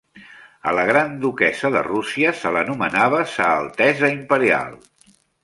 A la Gran Duquessa de Rússia se l'anomenava "Sa Altesa Imperial".